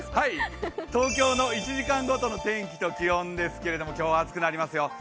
東京の１時間ごとの天気と気温ですけれども今日は暑くなりますよ。